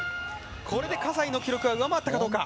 これで葛西の記録は上回ったかどうか。